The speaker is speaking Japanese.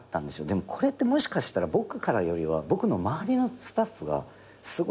でもこれってもしかしたら僕からよりは僕の周りのスタッフがすごいそういう表情してたんです。